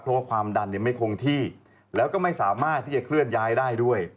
เพราะว่าความดันไม่คงที่แล้วก็ไม่สามารถที่จะเคลื่อนย้ายได้ด้วย